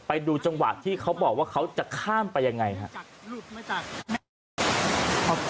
ไปดูจังหวะที่เขาบอกว่าเขาจะข้ามไปยังไงครับ